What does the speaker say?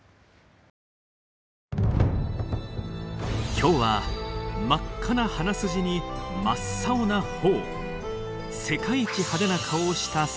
今日は真っ赤な鼻筋に真っ青な頬。